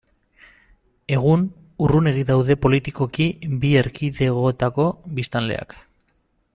Egun, urrunegi daude politikoki bi erkidegoetako biztanleak.